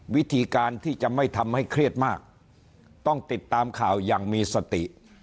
วิธีการที่จะไม่ทำให้เครียดมากต้องติดตามข่าวอย่างมีสติ